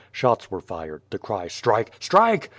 Shots were fired; the cry "Strike! Strike!"